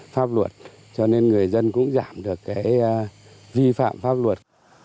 pháp luật cho nên người dân cũng giảm được cái vi phạm pháp luật